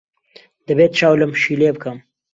دەبێت چاو لەم پشیلەیە بکەم.